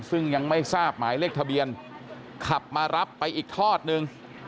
ซึ่งยังไม่ทราบหมายเลขทะเบียนขับมารับไปอีกทอดนึง